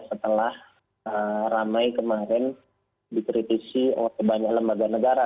setelah ramai kemarin dikritisi oleh banyak lembaga negara